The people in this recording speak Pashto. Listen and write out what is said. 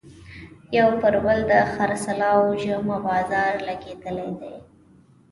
یو پر بل د خرڅلاو جمعه بازار لګېدلی دی.